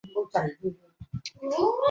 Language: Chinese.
胡达费林县居民多操阿塞拜疆语。